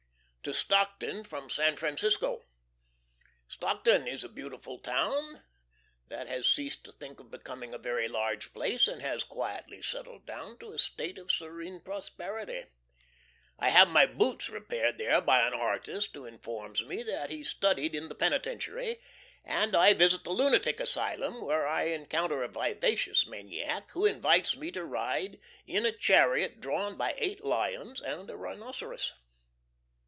To Stockton from San Francisco. Stockton is a beautiful town, that has ceased to think of becoming a very large place, and has quietly settled down into a state of serene prosperity. I have my boots repaired here by an artist who informs me that he studied in the penitentiary; and I visit the lunatic asylum, where I encounter a vivacious maniac who invites me to ride in a chariot drawn by eight lions and a rhinoceros.